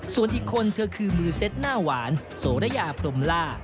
ส่วนอีกคนเธอคือมือเซ็ตหน้าหวานโสระยาพรมล่า